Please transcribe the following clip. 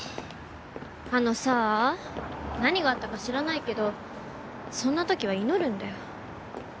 あのさ何があったか知らないけどそんな時は祈るんだよ。